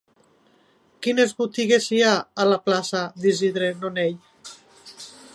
Quines botigues hi ha a la plaça d'Isidre Nonell?